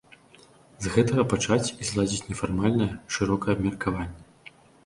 З гэтага пачаць і зладзіць нефармальнае, шырокае абмеркаванне.